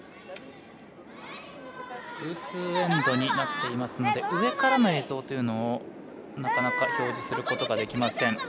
偶数エンドになっていますので上からの映像というのをなかなか表示することができません。